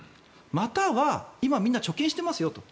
または今、みんな貯金してますよと。